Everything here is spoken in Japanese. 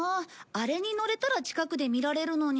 あれに乗れたら近くで見られるのに。